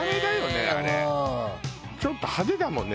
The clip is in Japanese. ちょっと派手だもんね